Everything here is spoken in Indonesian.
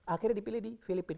akhirnya dipilih di filipina